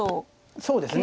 そうですね。